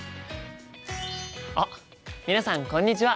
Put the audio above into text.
あっ皆さんこんにちは！